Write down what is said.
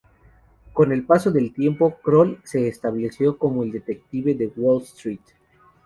Con el paso del tiempo, Kroll se estableció como "el detective de Wall Street".